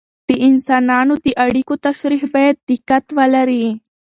د انسانانو د اړیکو تشریح باید دقت ولري.